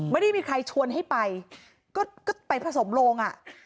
ไม่ได้มีใครชวนให้ไปก็ไปผสมโรงอ่ะ